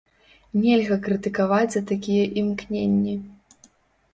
Нельга крытыкаваць за такія імкненні!